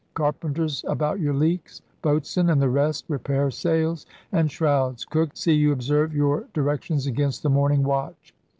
Carpenters, about your leaks! Boatswain and the rest, repair sails and shrouds! Cook, see you observe your direc tions against the morning watch